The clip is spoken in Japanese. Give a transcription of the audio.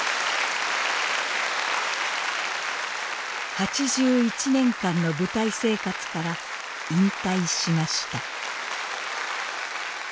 ８１年間の舞台生活から引退しました。